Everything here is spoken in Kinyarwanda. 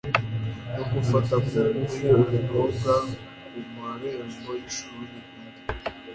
no gufata kungufu umukobwa kumarembo yishuri. undi